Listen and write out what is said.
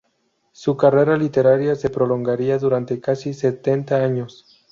Su carrera literaria se prolongaría durante casi setenta años.